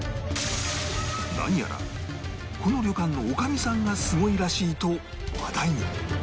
何やらこの旅館の女将さんがすごいらしいと話題に